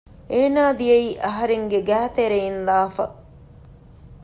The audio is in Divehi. އޭނާ ދިޔައީ އަހަރެންގެ ގައިތެރެއިންލާފަ